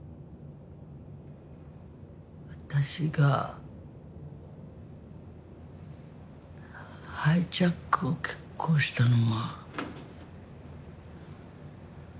私がハイジャックを決行したのは。